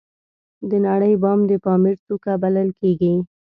د نړۍ بام د پامیر څوکه بلل کیږي